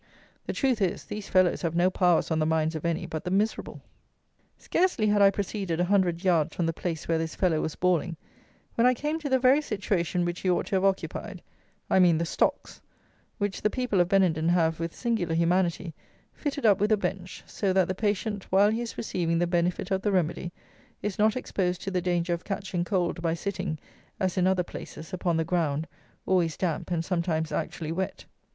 The truth is, these fellows have no power on the minds of any but the miserable. Scarcely had I proceeded a hundred yards from the place where this fellow was bawling, when I came to the very situation which he ought to have occupied, I mean the stocks, which the people of Benenden have, with singular humanity, fitted up with a bench, so that the patient, while he is receiving the benefit of the remedy, is not exposed to the danger of catching cold by sitting, as in other places, upon the ground, always damp, and sometimes actually wet.